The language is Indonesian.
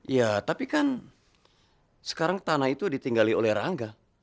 ya tapi kan sekarang tanah itu ditinggali oleh rangga